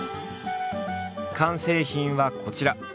完成品はこちら。